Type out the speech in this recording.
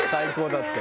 だって。